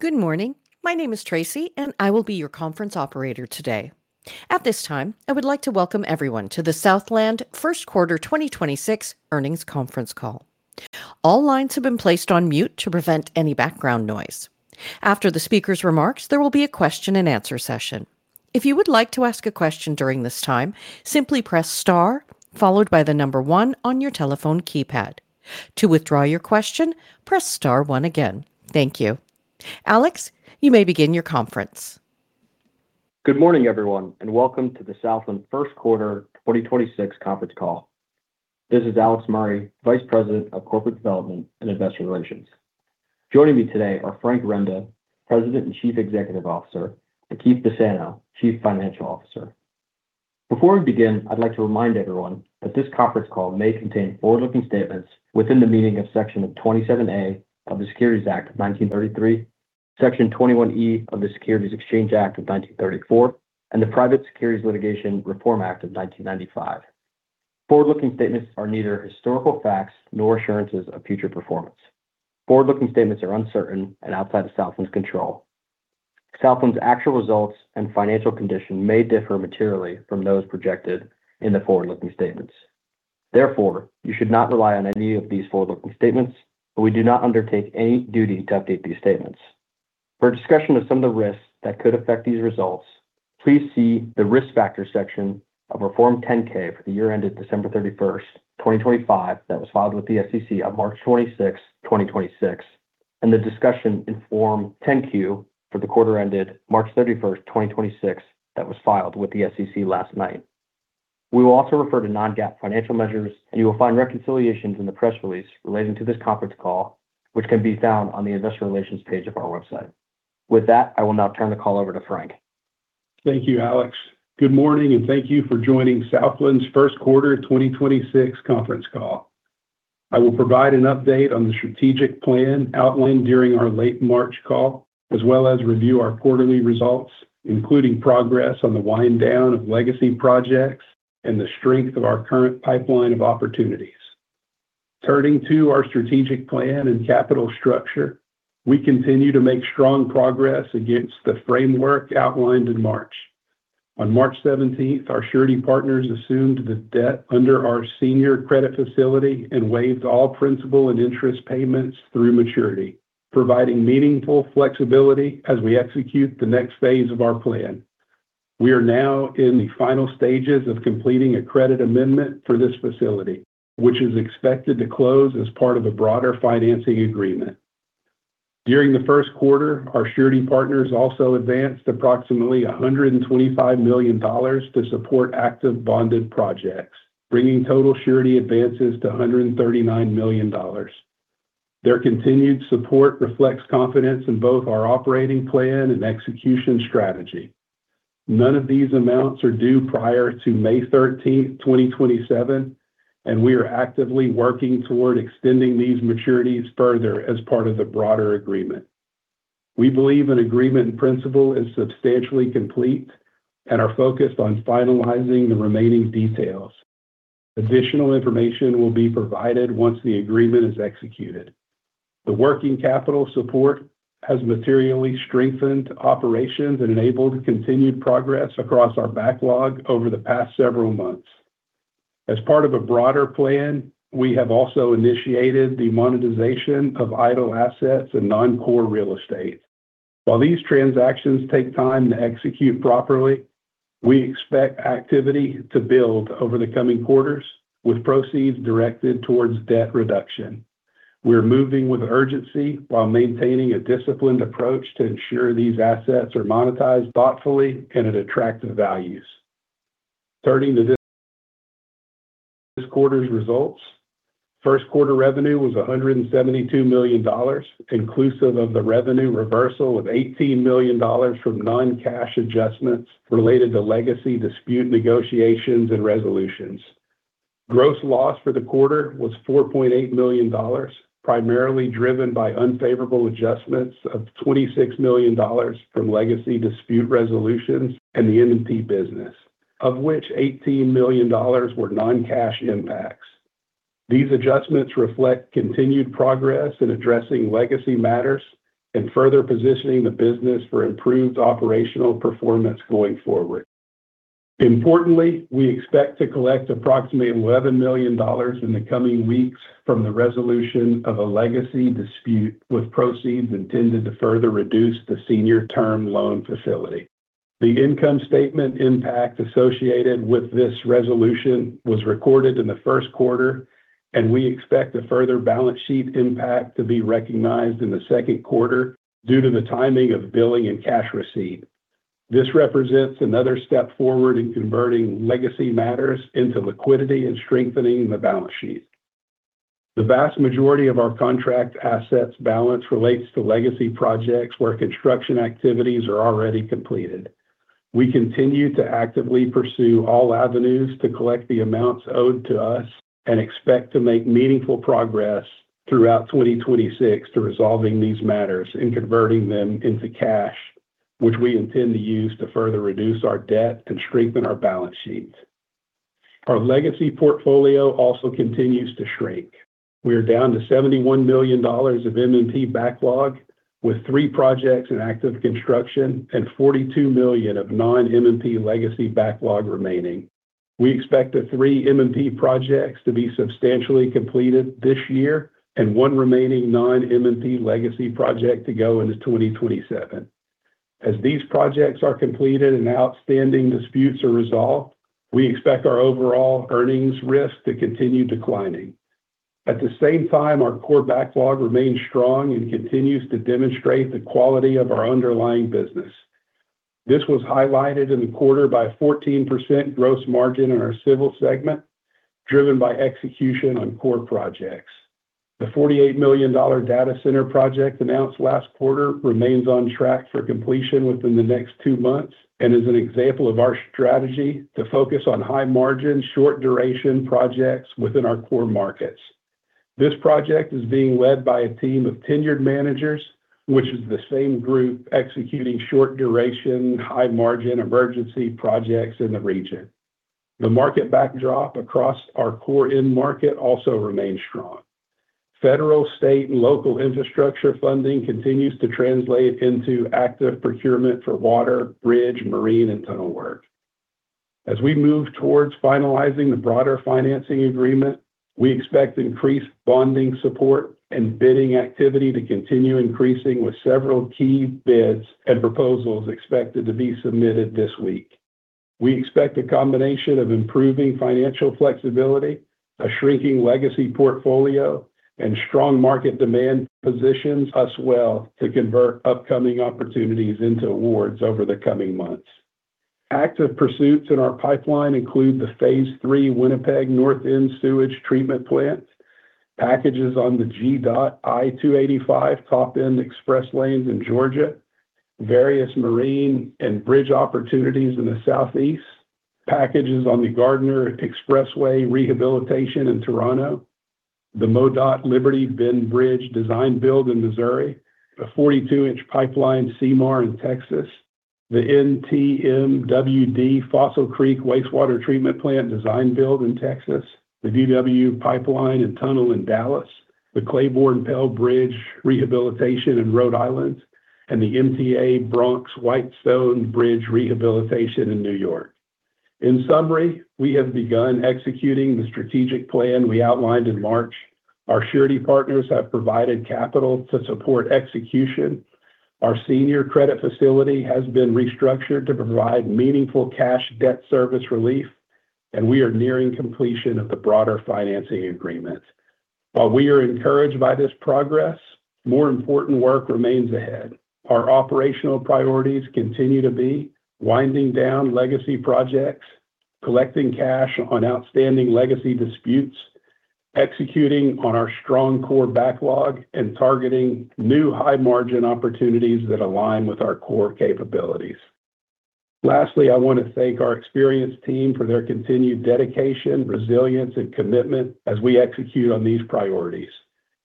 Good morning. My name is Tracy, and I will be your conference operator today. At this time, I would like to welcome everyone to the Southland First Quarter 2026 earnings conference call. All lines have been placed on mute to prevent any background noise. After the speaker's remarks, there will be a question-and-answer session. If you would like to ask a question during this time, simply press star followed by one on your telephone keypad. To withdraw your question, press star one again. Thank you. Alex, you may begin your conference. Good morning, everyone, and welcome to the Southland First Quarter 2026 conference call. This is Alex Murray, Vice President of Corporate Development and Investor Relations. Joining me today are Frank Renda, President and Chief Executive Officer, and Keith Bassano, Chief Financial Officer. Before we begin, I'd like to remind everyone that this conference call may contain forward-looking statements within the meaning of Section 27A of the Securities Act of 1933, Section 21E of the Securities Exchange Act of 1934, and the Private Securities Litigation Reform Act of 1995. Forward-looking statements are neither historical facts nor assurances of future performance. Forward-looking statements are uncertain and outside of Southland's control. Southland's actual results and financial condition may differ materially from those projected in the forward-looking statements. Therefore, you should not rely on any of these forward-looking statements, but we do not undertake any duty to update these statements. For a discussion of some of the risks that could affect these results, please see the risk factors section of our Form 10-K for the year ended December 31st, 2025, that was filed with the SEC on March 26th, 2026, and the discussion in Form 10-Q for the quarter ended March 31st, 2026, that was filed with the SEC last night. We will also refer to non-GAAP financial measures, and you will find reconciliations in the press release relating to this conference call, which can be found on the Investor Relations page of our website. With that, I will now turn the call over to Frank. Thank you, Alex. Good morning, and thank you for joining Southland's first quarter 2026 conference call. I will provide an update on the strategic plan outlined during our late March call, as well as review our quarterly results, including progress on the wind down of legacy projects and the strength of our current pipeline of opportunities. Turning to our strategic plan and capital structure, we continue to make strong progress against the framework outlined in March. On March 17th, our surety partners assumed the debt under our senior credit facility and waived all principal and interest payments through maturity, providing meaningful flexibility as we execute the next phase of our plan. We are now in the final stages of completing a credit amendment for this facility, which is expected to close as part of a broader financing agreement. During the first quarter, our surety partners also advanced approximately $125 million to support active bonded projects, bringing total surety advances to $139 million. Their continued support reflects confidence in both our operating plan and execution strategy. None of these amounts are due prior to May 13th, 2027, and we are actively working toward extending these maturities further as part of the broader agreement. We believe an agreement in principle is substantially complete and are focused on finalizing the remaining details. Additional information will be provided once the agreement is executed. The working capital support has materially strengthened operations and enabled continued progress across our backlog over the past several months. As part of a broader plan, we have also initiated the monetization of idle assets and non-core real estate. While these transactions take time to execute properly, we expect activity to build over the coming quarters with proceeds directed towards debt reduction. We're moving with urgency while maintaining a disciplined approach to ensure these assets are monetized thoughtfully and at attractive values. Turning to this quarter's results, first quarter revenue was $172 million, inclusive of the revenue reversal of $18 million from non-cash adjustments related to legacy dispute negotiations and resolutions. Gross loss for the quarter was $4.8 million, primarily driven by unfavorable adjustments of $26 million from legacy dispute resolutions and the M&P business, of which $18 million were non-cash impacts. These adjustments reflect continued progress in addressing legacy matters and further positioning the business for improved operational performance going forward. Importantly, we expect to collect approximately $11 million in the coming weeks from the resolution of a legacy dispute with proceeds intended to further reduce the senior term loan facility. The income statement impact associated with this resolution was recorded in the first quarter, and we expect a further balance sheet impact to be recognized in the second quarter due to the timing of billing and cash receipt. This represents another step forward in converting legacy matters into liquidity and strengthening the balance sheet. The vast majority of our contract assets balance relates to legacy projects where construction activities are already completed. We continue to actively pursue all avenues to collect the amounts owed to us and expect to make meaningful progress throughout 2026 to resolving these matters and converting them into cash, which we intend to use to further reduce our debt and strengthen our balance sheet. Our legacy portfolio also continues to shrink. We are down to $71 million of M&P backlog, with three projects in active construction and $42 million of non-M&P legacy backlog remaining. We expect the three M&P projects to be substantially completed this year and one remaining non-M&P legacy project to go into 2027. As these projects are completed and outstanding disputes are resolved, we expect our overall earnings risk to continue declining. At the same time, our core backlog remains strong and continues to demonstrate the quality of our underlying business. This was highlighted in the quarter by 14% gross margin in our Civil segment, driven by execution on core projects. The $48 million data center project announced last quarter remains on track for completion within the next two months and is an example of our strategy to focus on high margin, short duration projects within our core markets. This project is being led by a team of tenured managers, which is the same group executing short duration, high margin emergency projects in the region. The market backdrop across our core end market also remains strong. Federal, state, and local infrastructure funding continues to translate into active procurement for water, bridge, marine, and tunnel work. As we move towards finalizing the broader financing agreement, we expect increased bonding support and bidding activity to continue increasing with several key bids and proposals expected to be submitted this week. We expect a combination of improving financial flexibility, a shrinking legacy portfolio, and strong market demand positions us well to convert upcoming opportunities into awards over the coming months. Active pursuits in our pipeline include the phase III Winnipeg North End Sewage Treatment Plant, packages on the GDOT I-285 Top End Express Lanes in Georgia, various marine and bridge opportunities in the southeast, packages on the Gardiner Expressway Rehabilitation in Toronto, the MoDOT Liberty Bend Bridge Design Build in Missouri, a 42-inch pipeline CMAR in Texas, the NTMWD Fossil Creek Wastewater Treatment Plant Design Build in Texas, the DWU pipeline and tunnel in Dallas, the Claiborne Pell Bridge Rehabilitation in Rhode Island, and the MTA Bronx Whitestone Bridge Rehabilitation in New York. In summary, we have begun executing the strategic plan we outlined in March. Our surety partners have provided capital to support execution. Our senior credit facility has been restructured to provide meaningful cash debt service relief, and we are nearing completion of the broader financing agreement. While we are encouraged by this progress, more important work remains ahead. Our operational priorities continue to be winding down legacy projects, collecting cash on outstanding legacy disputes, executing on our strong core backlog, and targeting new high margin opportunities that align with our core capabilities. Lastly, I want to thank our experienced team for their continued dedication, resilience, and commitment as we execute on these priorities.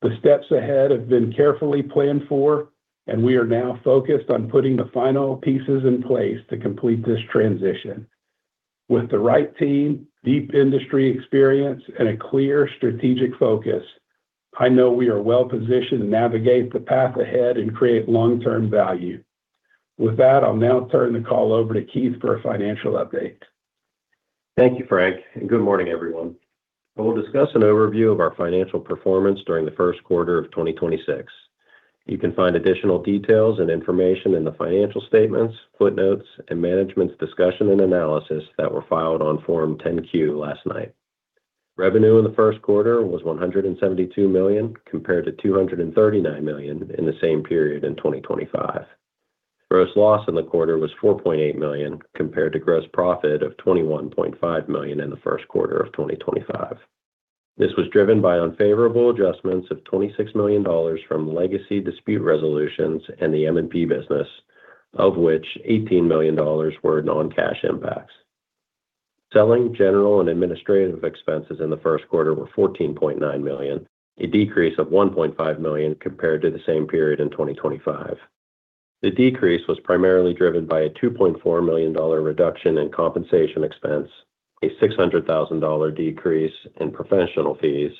The steps ahead have been carefully planned for, and we are now focused on putting the final pieces in place to complete this transition. With the right team, deep industry experience, and a clear strategic focus, I know we are well positioned to navigate the path ahead and create long-term value. With that, I'll now turn the call over to Keith for a financial update. Thank you, Frank, and good morning, everyone. We'll discuss an overview of our financial performance during the first quarter of 2026. You can find additional details and information in the financial statements, footnotes and management's discussion and analysis that were filed on Form 10-Q last night. Revenue in the first quarter was $172 million compared to $239 million in the same period in 2025. Gross loss in the quarter was $4.8 million, compared to gross profit of $21.5 million in the first quarter of 2025. This was driven by unfavorable adjustments of $26 million from legacy dispute resolutions and the M&P business, of which $18 million were non-cash impacts. Selling general and administrative expenses in the first quarter were $14.9 million, a decrease of $1.5 million compared to the same period in 2025. The decrease was primarily driven by a $2.4 million reduction in compensation expense, a $600,000 decrease in professional fees,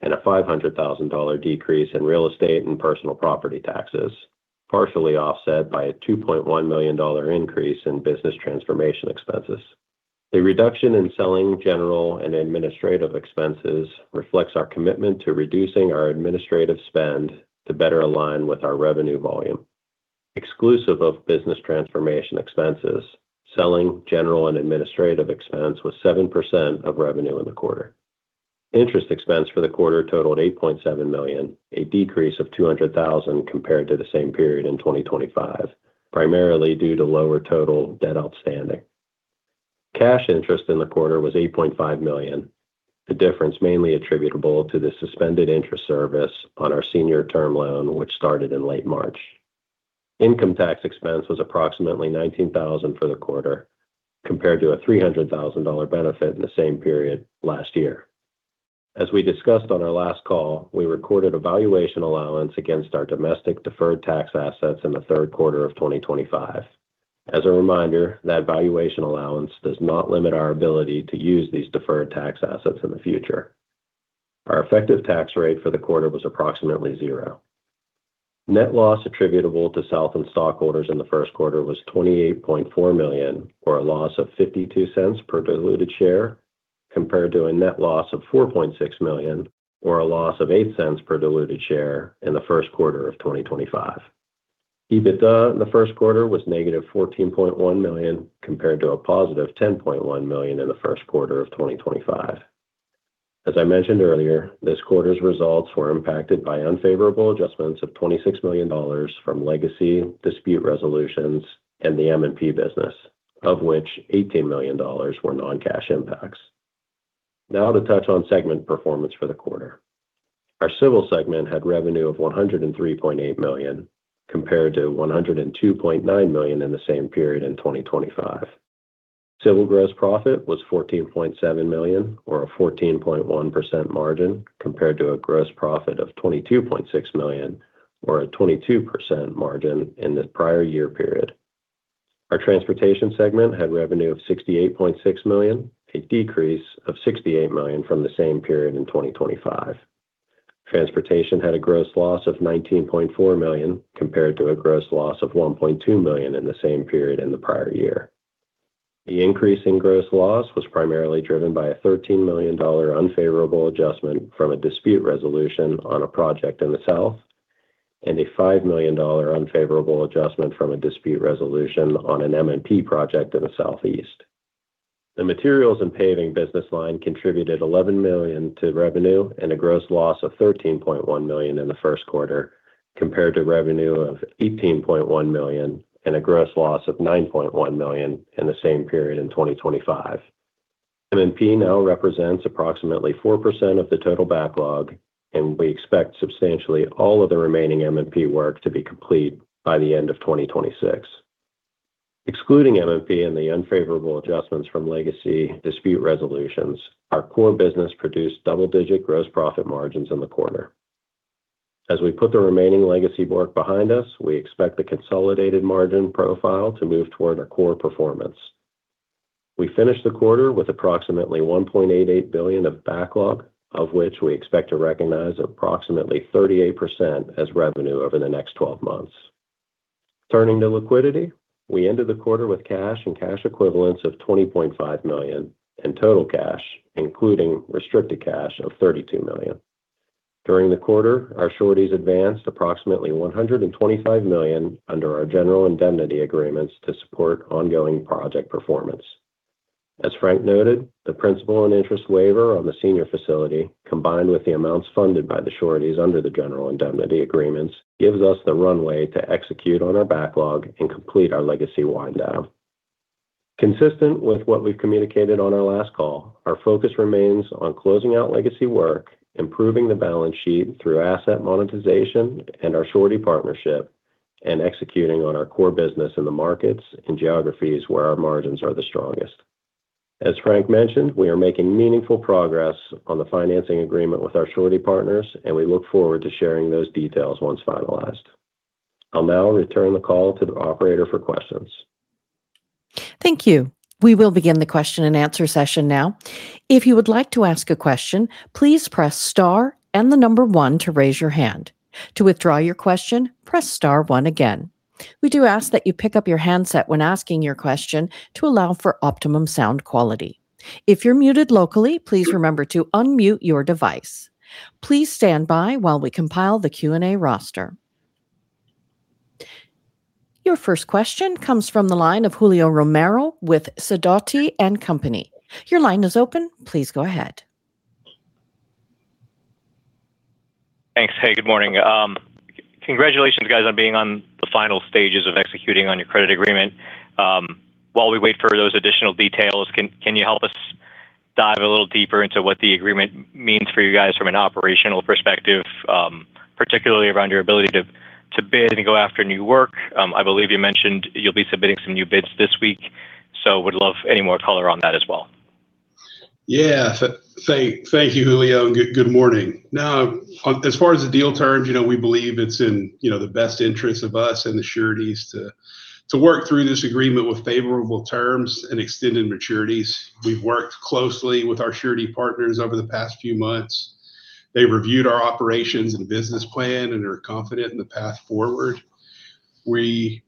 and a $500,000 decrease in real estate and personal property taxes, partially offset by a $2.1 million increase in business transformation expenses. The reduction in selling general and administrative expenses reflects our commitment to reducing our administrative spend to better align with our revenue volume. Exclusive of business transformation expenses, selling general and administrative expense was 7% of revenue in the quarter. Interest expense for the quarter totaled $8.7 million, a decrease of $200,000 compared to the same period in 2025, primarily due to lower total debt outstanding. Cash interest in the quarter was $8.5 million. The difference mainly attributable to the suspended interest service on our senior term loan, which started in late March. Income tax expense was approximately $19,000 for the quarter, compared to a $300,000 benefit in the same period last year. As we discussed on our last call, we recorded a valuation allowance against our domestic deferred tax assets in the third quarter of 2025. As a reminder, that valuation allowance does not limit our ability to use these deferred tax assets in the future. Our effective tax rate for the quarter was approximately zero. Net loss attributable to Southland stockholders in the first quarter was $28.4 million, or a loss of $0.52 per diluted share, compared to a net loss of $4.6 million, or a loss of $0.08 per diluted share in the first quarter of 2025. EBITDA in the first quarter was -$14.1 million, compared to a +$10.1 million in the first quarter of 2025. As I mentioned earlier, this quarter's results were impacted by unfavorable adjustments of $26 million from legacy dispute resolutions and the M&P business, of which $18 million were non-cash impacts. Now to touch on segment performance for the quarter. Our Civil segment had revenue of $103.8 million, compared to $102.9 million in the same period in 2025. Civil gross profit was $14.7 million or a 14.1% margin, compared to a gross profit of $22.6 million or a 22% margin in the prior year period. Our Transportation segment had revenue of $68.6 million, a decrease of $68 million from the same period in 2025. Transportation had a gross loss of $19.4 million, compared to a gross loss of $1.2 million in the same period in the prior year. The increase in gross loss was primarily driven by a $13 million unfavorable adjustment from a dispute resolution on a project in the South, and a $5 million unfavorable adjustment from a dispute resolution on an M&P project in the Southeast. The materials and paving business line contributed $11 million to revenue and a gross loss of $13.1 million in the first quarter, compared to revenue of $18.1 million and a gross loss of $9.1 million in the same period in 2025. M&P now represents approximately 4% of the total backlog. We expect substantially all of the remaining M&P work to be complete by the end of 2026. Excluding M&P and the unfavorable adjustments from legacy dispute resolutions, our core business produced double-digit gross profit margins in the quarter. As we put the remaining legacy work behind us, we expect the consolidated margin profile to move toward our core performance. We finished the quarter with approximately $1.88 billion of backlog, of which we expect to recognize approximately 38% as revenue over the next 12 months. Turning to liquidity, we ended the quarter with cash and cash equivalents of $20.5 million and total cash, including restricted cash of $32 million. During the quarter, our sureties advanced approximately $125 million under our general indemnity agreements to support ongoing project performance. As Frank noted, the principal and interest waiver on the senior facility, combined with the amounts funded by the sureties under the general indemnity agreements, gives us the runway to execute on our backlog and complete our legacy wind down. Consistent with what we've communicated on our last call, our focus remains on closing out legacy work, improving the balance sheet through asset monetization and our surety partnership, and executing on our core business in the markets and geographies where our margins are the strongest. As Frank mentioned, we are making meaningful progress on the financing agreement with our surety partners. We look forward to sharing those details once finalized. I'll now return the call to the operator for questions. Thank you. Your first question comes from the line of Julio Romero with Sidoti & Company. Your line is open. Please go ahead. Thanks. Hey, good morning. Congratulations, guys, on being on the final stages of executing on your credit agreement. While we wait for those additional details, can you help us dive a little deeper into what the agreement means for you guys from an operational perspective, particularly around your ability to bid and go after new work? I believe you mentioned you'll be submitting some new bids this week, so would love any more color on that as well. Yeah. Thank you, Julio, and good morning. As far as the deal terms, you know, we believe it's in, you know, the best interests of us and the sureties to work through this agreement with favorable terms and extended maturities. We've worked closely with our surety partners over the past few months. They reviewed our operations and business plan and are confident in the path forward. We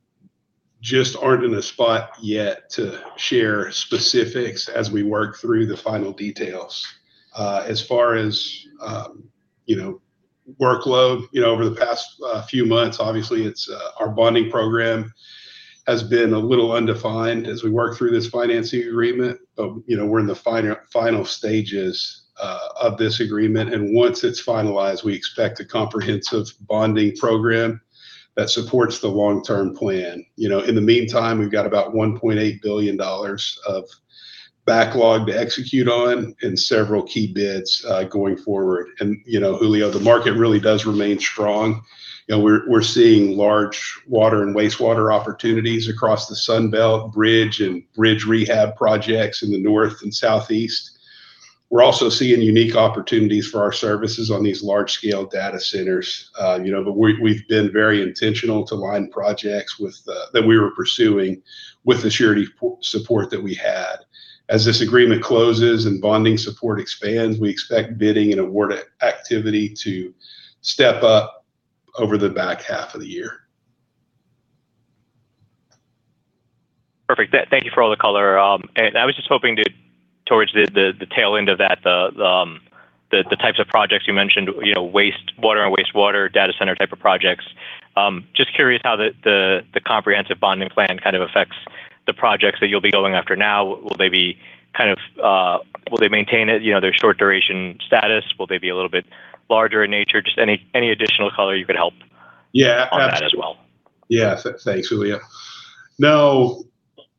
just aren't in a spot yet to share specifics as we work through the final details. As far as, you know, workload, you know, over the past few months, obviously it's our bonding program has been a little undefined as we work through this financing agreement. You know, we're in the final stages of this agreement. Once it's finalized, we expect a comprehensive bonding program that supports the long-term plan. You know, in the meantime, we've got about $1.8 billion of backlog to execute on and several key bids going forward. You know, Julio, the market really does remain strong. You know, we're seeing large water and wastewater opportunities across the Sun Belt bridge and bridge rehab projects in the North and Southeast. We're also seeing unique opportunities for our services on these large scale data centers. You know, we've been very intentional to line projects with that we were pursuing with the surety support that we had. As this agreement closes and bonding support expands, we expect bidding and award activity to step up over the back half of the year. Perfect. Thank you for all the color. I was just hoping to towards the tail end of that, the types of projects you mentioned, you know, wastewater and wastewater data center type of projects. Just curious how the comprehensive bonding plan kind of affects the projects that you'll be going after now. Will they be kind of, will they maintain it, you know, their short duration status? Will they be a little bit larger in nature? Just any additional color you could help? Yeah. On that as well. Yeah. Thanks, Julio. No,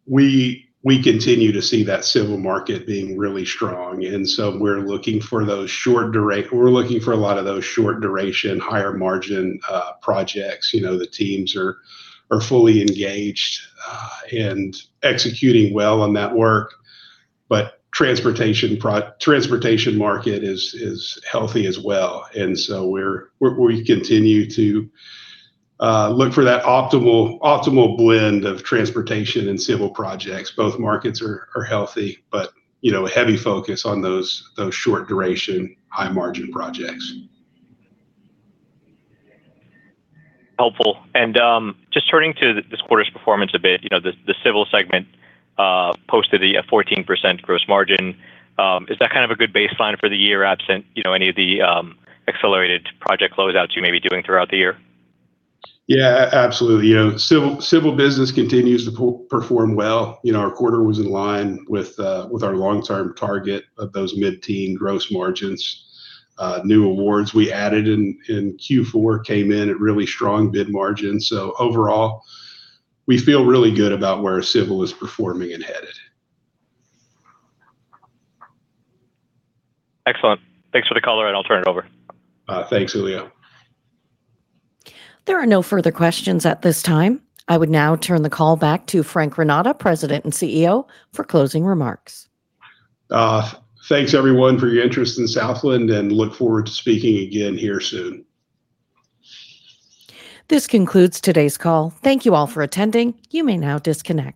we continue to see that Civil market being really strong, we're looking for a lot of those short duration, higher margin projects. You know, the teams are fully engaged, and executing well on that work. Transportation market is healthy as well. We continue to look for that optimal blend of Transportation and Civil projects. Both markets are healthy, you know, a heavy focus on those short duration, high margin projects. Helpful. Just turning to this quarter's performance a bit, you know, the Civil segment posted a 14% gross margin. Is that kind of a good baseline for the year absent, you know, any of the accelerated project closeouts you may be doing throughout the year? Yeah, absolutely. You know, Civil business continues to perform well. You know, our quarter was in line with our long-term target of those mid-teen gross margins. New awards we added in Q4 came in at really strong bid margins. Overall, we feel really good about where Civil is performing and headed. Excellent. Thanks for the color, and I'll turn it over. Thanks, Julio. There are no further questions at this time. I would now turn the call back to Frank Renda, President and CEO, for closing remarks. Thanks everyone for your interest in Southland and look forward to speaking again here soon. This concludes today's call. Thank you all for attending. You may now disconnect.